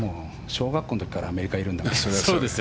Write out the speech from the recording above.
小学校のときからアメリカにいるんだから。